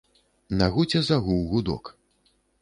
На гуце загуў гудок.